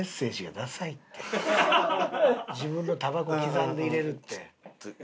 自分のたばこ刻んで入れるって。